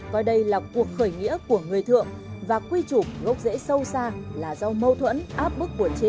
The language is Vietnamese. coi đây là cuộc khởi nghĩa của người thượng và quy trục gốc rễ sâu xa là do mâu thuẫn áp bức của chế độ ta